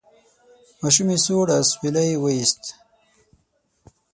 ماشومې سوړ اسویلی وایست: